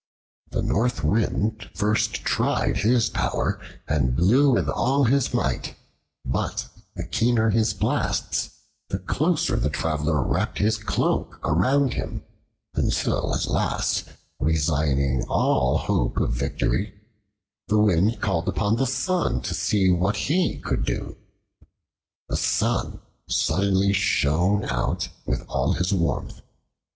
The North Wind first tried his power and blew with all his might, but the keener his blasts, the closer the Traveler wrapped his cloak around him, until at last, resigning all hope of victory, the Wind called upon the Sun to see what he could do. The Sun suddenly shone out with all his warmth.